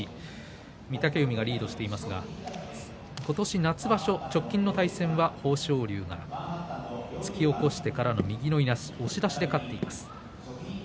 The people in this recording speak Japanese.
御嶽海がリードしていますが今年、夏場所直近の対戦は豊昇龍が突き起こしてからの右のいなし押し出しで勝っています。